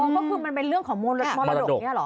ก็คือมันเป็นเรื่องของมรดก